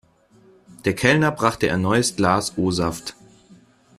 Der Kellner brachte ein neues Glas O-Saft.